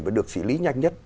và được xử lý nhanh nhất